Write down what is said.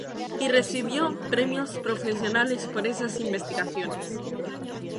Y recibió premios profesionales por esas investigaciones.